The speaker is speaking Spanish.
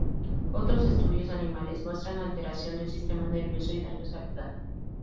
Otros estudios animales muestran alteración del sistema nervioso y daños al hígado.